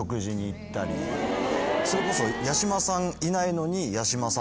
それこそ。